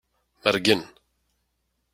Mergen.